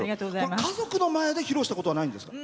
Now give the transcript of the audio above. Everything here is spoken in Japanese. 家族の前で披露したことはないんですか？